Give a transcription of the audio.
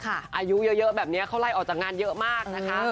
อายุเยอะแบบนี้เขาไล่ออกจากงานเยอะมากนะคะ